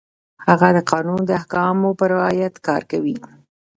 هغه د قانون د احکامو په رعایت کار کوي.